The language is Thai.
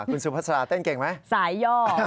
คุณสุภาษาเต้นเก่งไหมสายย่อ